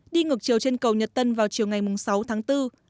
đi ngược chiều trên cầu nhật tân vào chiều ngày sáu tháng bốn